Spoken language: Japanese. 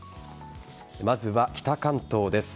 まずは北関東です。